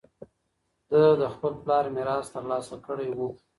ده د خپل پلار میراث ترلاسه کړی و